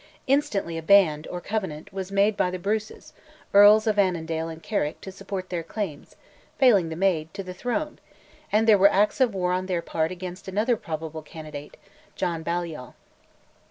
Instantly a "band," or covenant, was made by the Bruces, Earls of Annandale and Carrick, to support their claims (failing the Maid) to the throne; and there were acts of war on their part against another probable candidate, John Balliol.